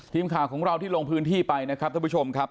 ทีมข่าวของเราที่ลงพื้นที่ไปนะครับท่านผู้ชมครับ